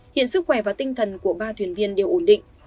hiện sức khỏe và tinh thần của ba thuyền viên đều ổn định